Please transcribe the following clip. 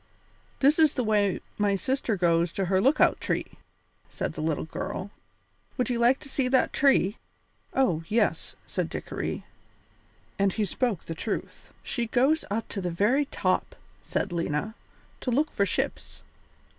"This is the way my sister goes to her lookout tree," said the little girl. "Would you like to see that tree?" "Oh, yes!" said Dickory, and he spoke the truth. "She goes up to the very top," said Lena, "to look for ships.